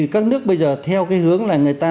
các nước bây giờ theo cái hướng là người ta